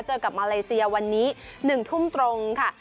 เจอกับมาเลเซียวันนี้๑ทุ่มตรงค่ะ